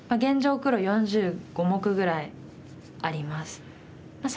黒４５目ぐらいあります。